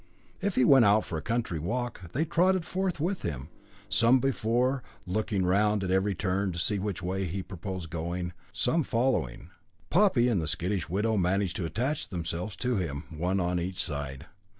If he went out for a country walk, they trotted forth with him, some before, looking round at every turn to see which way he purposed going, some following. Poppy and the skittish widow managed to attach themselves to him, one on each side.